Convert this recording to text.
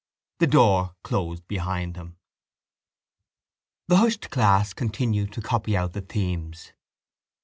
The door closed behind him. The hushed class continued to copy out the themes.